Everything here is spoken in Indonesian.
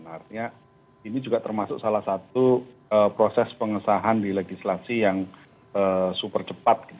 artinya ini juga termasuk salah satu proses pengesahan di legislasi yang super cepat